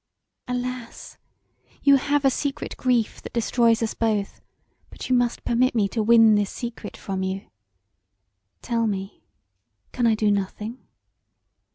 Alas! You have a secret grief that destroys us both: but you must permit me to win this secret from you. Tell me, can I do nothing?